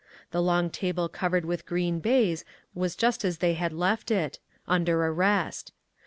The long table covered with green baize was just as they had left it, under arrest.